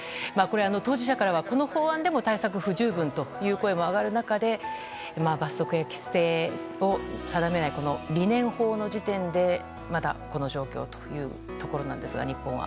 当事者からは、この法案でも対策不十分という声も上がる中で罰則や規制を定めないこの理念法の時点でまだこの状況ですが、日本は。